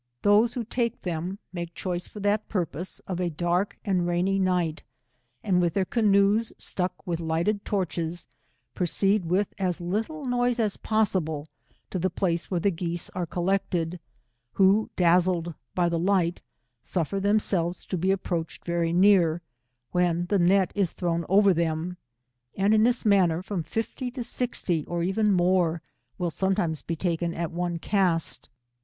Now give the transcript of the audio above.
Those who take them, make choice for that purpose, of a dark and rainy night, and with their canoes stuck with lighted torches, proceed with as little noise as pos sible, to the place where the geese are collected, who, dazzled by the light, suffer themselves to be approached very near, when the net is thrown over them, and in this manner, from fifty to sixty, or even more, will sometimes be taken at one cast.